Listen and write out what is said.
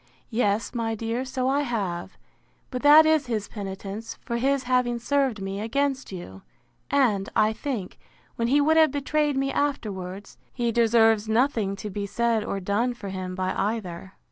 —Yes, my dear, so I have; but that is his penitence for his having served me against you; and, I think, when he would have betrayed me afterwards, he deserves nothing to be said or done for him by either.